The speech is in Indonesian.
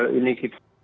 ada sedikit terlambat